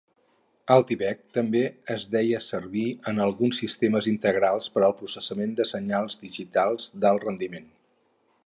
AltiVec també es deia servir en alguns sistemes integrats per al processament de senyals digital d'alt rendiment.